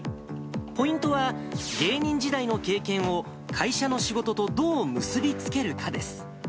ポイントは芸人時代の経験を会社の仕事とどう結び付けるかです。